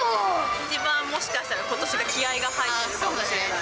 一番もしかしたらことしが気合いが入ってるかもしれない。